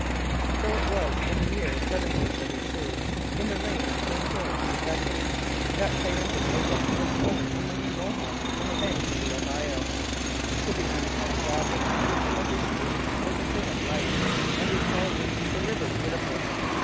So it was, in the pear 1742, in the reign of King George the Second, that Thayendanegea was born among the Mohawks on the banks of the Ohio. To the untaught savage this sluggish stream was a thing of life, and he called it the 'River Beautiful.'